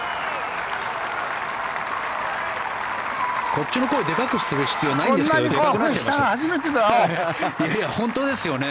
こっちの声でかくする必要ないんですけどでかくなりましたね。